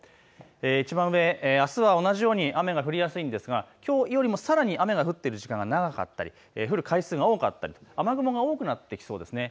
いちばん上、あすは同じように雨が降りやすいんですがきょうよりもさらに雨が降っている時間、長かったり降る回数が多かったり雨雲が多くなりそうです。